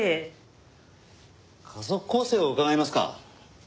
家族構成を伺えますか？